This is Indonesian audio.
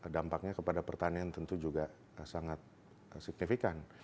dampaknya kepada pertanian tentu juga sangat signifikan